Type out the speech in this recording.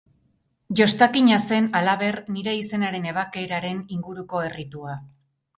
Jostakina zen, halaber, nire izenaren ebakeraren inguruko erritua.